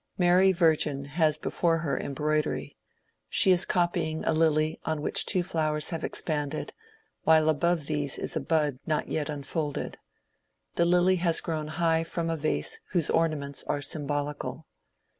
Mary Virgin has before her embroidery ; she is copying a lily on which two flowers have expanded, while above these is a bud not yet unfolded. The lily has gprown high from a vase whose ornaments are symbolical.